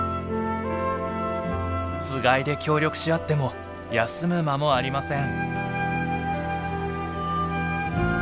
つがいで協力し合っても休む間もありません。